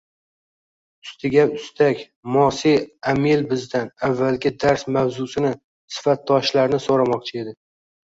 Ustiga -ustak mos`e Amel bizdan avvalgi dars mavzusini sifatdoshlarni so`ramoqchi edi